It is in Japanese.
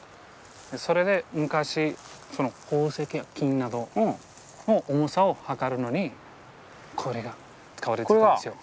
それで昔宝石や金などの重さを量るのにこれが使われてたんですよ。